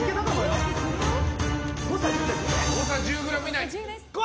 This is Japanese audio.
誤差１０ｇ以内！